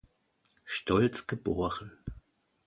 Stolz geboren.